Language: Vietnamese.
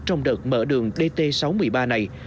trong đợt mở đường dt sáu mươi ba này